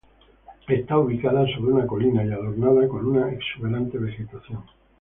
Está ubicada sobre una colina y adornada con una exuberante vegetación.